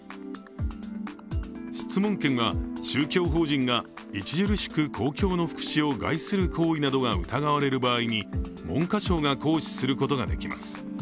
質問権は宗教法人が著しく公共の福祉を害する行為などが疑われる場合に文科省が行使することができます。